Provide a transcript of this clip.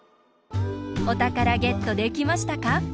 おたからゲットできましたか？